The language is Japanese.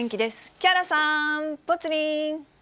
木原さん、ぽつリン。